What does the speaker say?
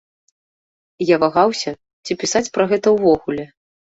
Я вагаўся, ці пісаць пра гэта ўвогуле.